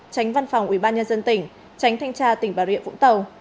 tránh văn phòng ubnd tỉnh tránh thanh tra tỉnh bà rịa vũng tàu